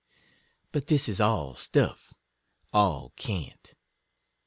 But this is all stuff — all cant.